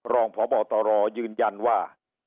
รองพบตรยืนยันว่า